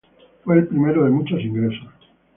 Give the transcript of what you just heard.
Fue el primero de muchos ingresos.